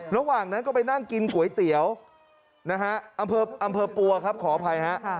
ระหว่างนั้นก็ไปนั่งกินก๋วยเตี๋ยวนะฮะอำเภอปัวครับขออภัยฮะ